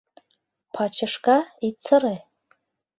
Пачышка, ит сыре!